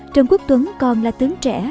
trần quốc tuấn còn là tướng trẻ